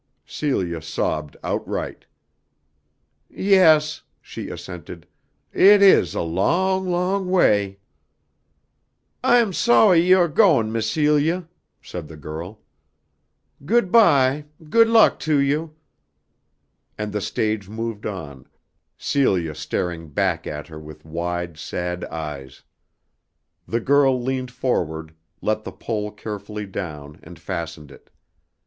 Celia sobbed outright. "Yes," she assented, "it is a long, long way!" "I am sawy you ah goin', Miss Celia," said the girl. "Good by. Good luck to you!" And the stage moved on, Celia staring back at her with wide sad eyes. The girl leaned forward, let the pole carefully down and fastened it.